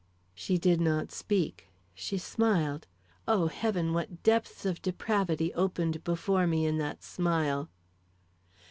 She did not speak, she smiled. O heaven! what depths of depravity opened before me in that smile!